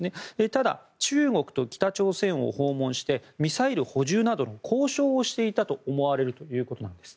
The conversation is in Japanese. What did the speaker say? ただ、中国と北朝鮮を訪問してミサイル補充などの交渉をしていたと思われるということです。